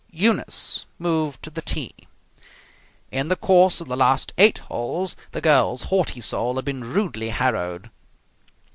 Eunice moved to the tee. In the course of the last eight holes the girl's haughty soul had been rudely harrowed.